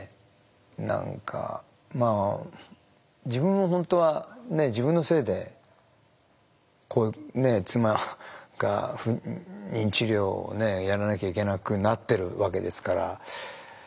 何かまあ自分の本当は自分のせいでこういう妻が不妊治療をやらなきゃいけなくなってるわけですから。